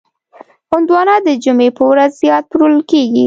هندوانه د جمعې په ورځ زیات پلورل کېږي.